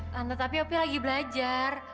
tante tapi opi lagi belajar